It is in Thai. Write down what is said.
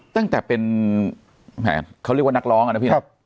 ตั้งแต่เป็นแหมเขาเรียกว่านักร้องอะนะพี่